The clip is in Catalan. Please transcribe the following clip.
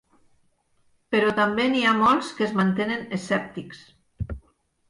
Però també n'hi ha molts que es mantenen escèptics.